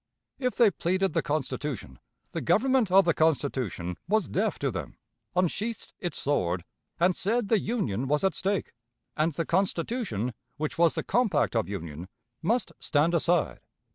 If they pleaded the Constitution, the Government of the Constitution was deaf to them, unsheathed its sword, and said the Union was at stake; and the Constitution, which was the compact of union, must stand aside.